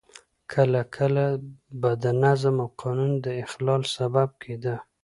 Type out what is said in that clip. کله کله به د نظم او قانون د اخلال سبب کېده.